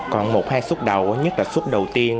còn một hai xuất đầu nhất là xuất đầu tiên